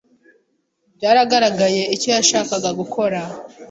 Byaragaragaye icyo yashakaga gukora.